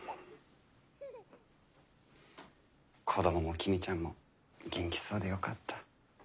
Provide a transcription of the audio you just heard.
子どもも公ちゃんも元気そうでよかった。